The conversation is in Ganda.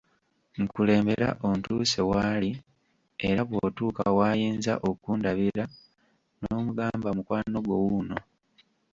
Nkulembera ontuuse w'ali era bw'otuuka w'ayinza okundabira n'omugamba mukwano gwo wuuno.